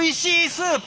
スープ！